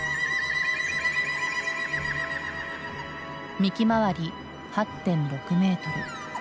幹周り８．６メートル。